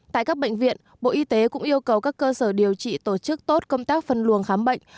tại các bệnh viện bộ y tế cũng yêu cầu các cơ sở điều trị tổ chức tốt công tác phân luồng khám bệnh